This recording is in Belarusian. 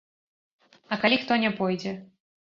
А калі хто не пойдзе?